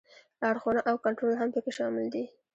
لارښوونه او کنټرول هم پکې شامل دي.